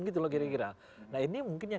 gitu loh kira kira nah ini mungkin yang